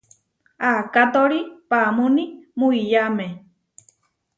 Aakátori paamúni muiyáme.